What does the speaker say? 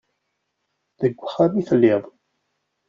Deg uxxam i telliḍ.